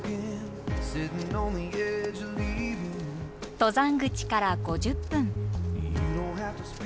登山口から５０分。